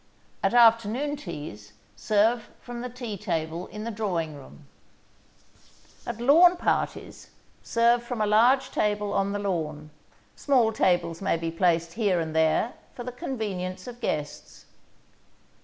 At afternoon teas, serve from the tea table in the drawing room. At lawn parties, serve from a large table on the lawn. Small tables may be placed here and there for the convenience of guests.